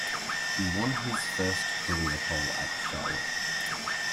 He won his first career pole at Charlotte.